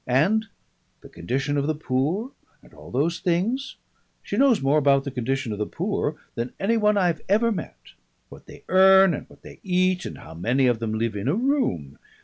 And the condition of the poor and all those things. She knows more about the condition of the poor than any one I've ever met; what they earn and what they eat, and how many of them live in a room.